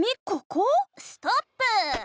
ここ⁉ストップー！